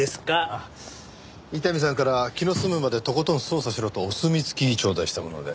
伊丹さんから気の済むまでとことん捜査しろとお墨付きちょうだいしたもので。